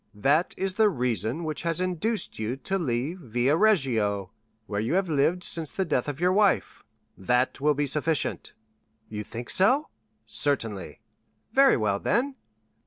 That is the reason which has induced you to leave Via Reggio, where you have lived since the death of your wife. That will be sufficient." "You think so?" "Certainly." "Very well, then."